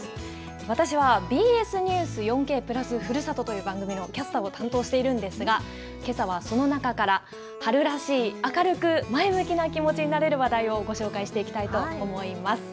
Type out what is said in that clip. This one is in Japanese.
私はＢＳニュース４Ｋ＋ふるさとという番組のキャスターを担当しているんですが、けさはその中から、春らしい、明るく前向きな気持ちになれる話題をご紹介していきたいと思います。